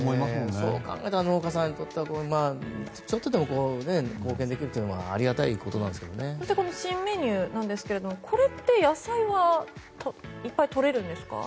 そう考えると農家さんなんかはちょっとでも貢献できるというのは新メニューですがこれは野菜はいっぱいとれるんですか？